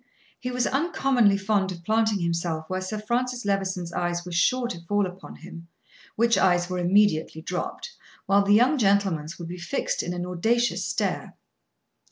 He was uncommonly fond of planting himself where Sir Francis Levison's eyes were sure to fall upon him which eyes were immediately dropped, while the young gentleman's would be fixed in an audacious stare.